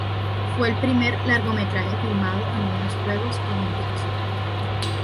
Fue el primer largometraje filmado en unos Juegos Olímpicos.